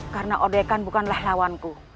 karena od kan bukanlah lawanku